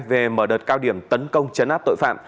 về mở đợt cao điểm tấn công chấn áp tội phạm